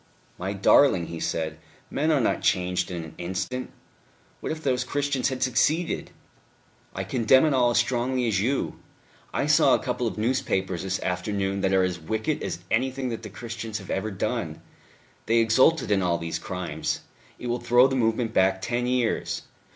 "My darling," he said, "men are not changed in an instant. What if those Christians had succeeded!... I condemn it all as strongly as you. I saw a couple of newspapers this afternoon that are as wicked as anything that the Christians have ever done. They exulted in all these crimes. It will throw the movement back ten years....